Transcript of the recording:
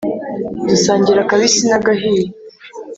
, dusangira akabisi na gahiye